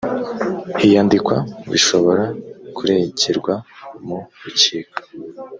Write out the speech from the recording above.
iyandikwa bishobora kuregerwa mu rukiko